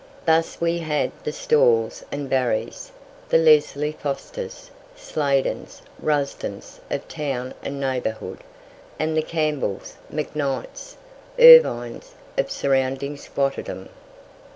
Thus we had the Stawells and Barrys, the Leslie Fosters, Sladens, Rusdens, of town and neighbourhood, and the Campbells, McKnights, Irvines, of surrounding squatterdom.